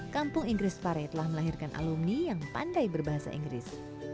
kampung inggris pare telah melahirkan alumni yang pandai berbahasa inggris